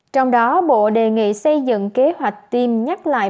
thống kê số lượng trẻ em trên địa bàn